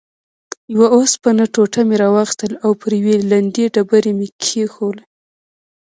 یوه اوسپنه ټوټه مې راواخیسته او پر یوې لندې ډبره مې کېښووله.